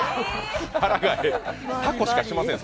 タコしかしません